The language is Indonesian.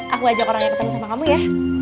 aku ajak orang yang ketemu sama kamu ya